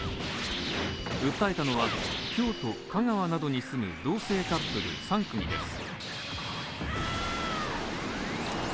訴えたのは京都、香川などに住む同性カップル３組です。